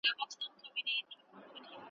زه مین پر هغه ملک پر هغه ښار یم .